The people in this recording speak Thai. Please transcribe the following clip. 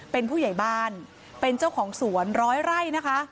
เป็นผู้ใหญ่บ้านเป็นเจ้าของสวนร้อยไร่นะคะ